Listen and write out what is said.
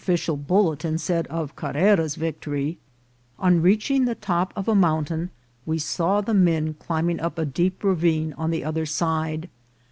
cial bulletin said of Carrera's victory, on reaching the top of a mountain we saw the men climbing up a deep ravine on the other side.